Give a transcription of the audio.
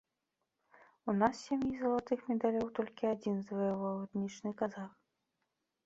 У нас з сямі залатых медалёў толькі адзін заваяваў этнічны казах.